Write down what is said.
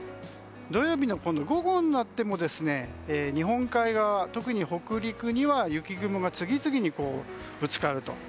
土曜日の午後になっても日本海側、特に北陸には雪雲が次々にぶつかると。